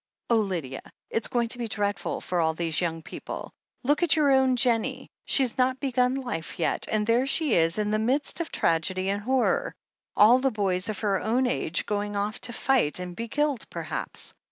Oh, Lydia, it's going to be dreadful for all these young people I Look at your own Jennie — she's not begun life yet, and there she is in the midst of tragedy and horror — all the boys of her own age going off to fight and be killed perhaps.